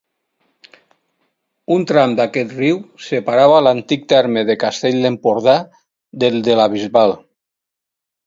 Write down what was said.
Un tram d'aquest riu separava l'antic terme de Castell d'Empordà del de la Bisbal.